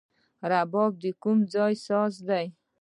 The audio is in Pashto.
رباب د کوم ځای ساز دی؟